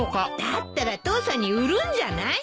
だったら父さんに売るんじゃない？